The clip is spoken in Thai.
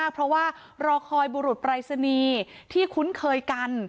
เพราะว่ารอคอยบุรุษปรายศนีย์ที่คุ้นเคยกัน